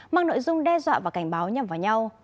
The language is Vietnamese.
mang nội dung đe dọa và cảnh báo nhằm vào nhau